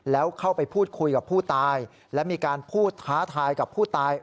แล้วเข้าไปพูดคุยกับผู้ตายและมีการพูดท้าทายกับผู้ตาย